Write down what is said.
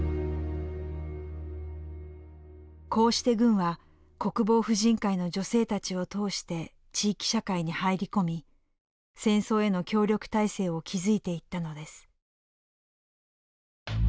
こうして軍は国防婦人会の女性たちを通して地域社会に入り込み戦争への協力体制を築いていったのです。